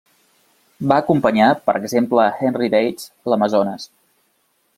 Va acompanyar, per exemple a Henry Bates a l'Amazones.